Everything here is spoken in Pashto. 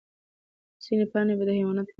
ځینې پاڼې به د حیواناتو لپاره خوراک شي.